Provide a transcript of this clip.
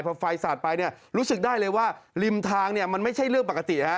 พอไฟสาดไปรู้สึกได้เลยว่าลิมทางมันไม่ใช่เรื่องปกติ